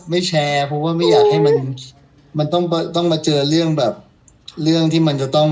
แชร์เพราะว่าไม่อยากให้มันมันต้องต้องมาเจอเรื่องแบบเรื่องที่มันจะต้อง